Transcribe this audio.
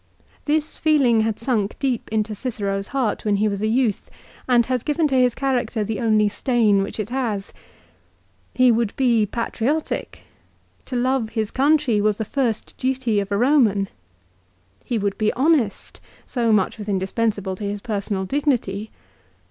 This feeling had sunk deep into Cicero's heart when he was a youth and has given to his character the only stain which it has. He would be patriotic. To love his country was the first duty of a Roman. He would be honest. So much was indispensable to his personal dignity.